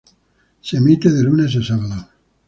Se emite de lunes a sábado.